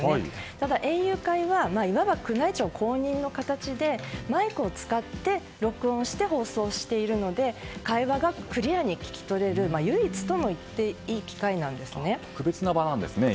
ただ、園遊会はいわば宮内庁公認の形でマイクを使って録音して放送しているので会話がクリアに聞き取れる唯一ともいっていい機会なんですね。